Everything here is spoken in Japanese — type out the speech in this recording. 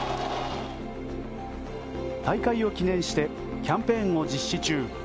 大会を記念してキャンペーンを実施中！